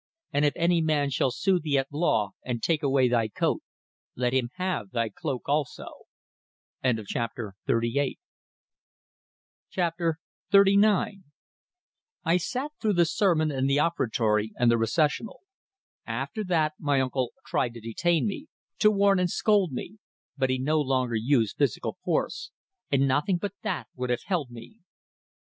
And if any man shall sue thee at law, and take away thy coat, let him have thy cloak also." XXXIX I sat through the sermon, and the offertory, and the recessional. After that my uncle tried to detain me, to warn and scold me; but he no longer used physical force, and nothing but that would have held me.